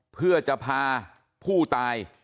เพื่อจะพาผู้ตาย